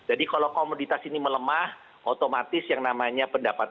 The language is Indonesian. oke jadi kalau komoditas ini melemah otomatis yang namanya kelapa sawit